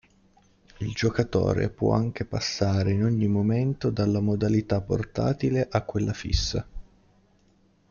Il giocatore può anche passare in ogni momento dalla modalità portatile a quella fissa.